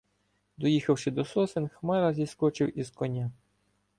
Доїхавши до сосен, Хмара зіскочив із коня.